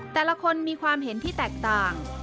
แต่ละคนมีความเห็นที่แตกต่าง